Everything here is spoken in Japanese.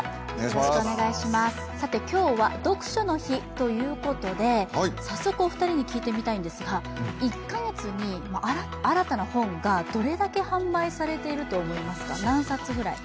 今日は読書の日ということで、早速お二人に聞いてみたいんですが１か月に新たな本がどれだけ販売されていると思いますか、何冊ぐらい。